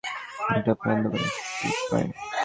আত্মহত্যাকারীর হেলমেটের ভিতরে, একটা প্যান দোকানের স্লিপ পাই।